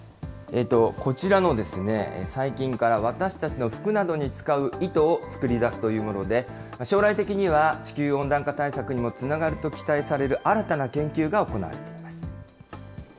こちらの細菌から私たちの服などに使う糸を作り出すというもので、将来的には地球温暖化対策にもつながると期待される新たな研究が行われています。